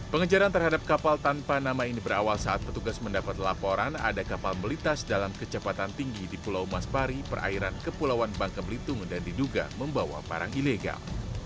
pengejaran terhadap kapal tanpa nama ini berawal saat petugas mendapat laporan ada kapal melintas dalam kecepatan tinggi di pulau maspari perairan kepulauan bangka belitung dan diduga membawa barang ilegal